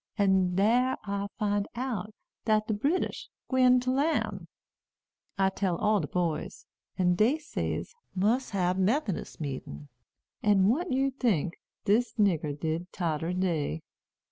An' dar I find out dat de British gwine to lan'. I tells all de boys; and dey say mus' hab Methodist meetin'. An' what you tink dis nigger did todder day?